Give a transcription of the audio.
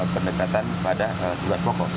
pendekatan pada tugas pokok